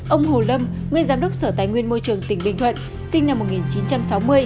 ông hồ lâm nguyên giám đốc sở tài nguyên môi trường tỉnh bình thuận sinh năm một nghìn chín trăm sáu mươi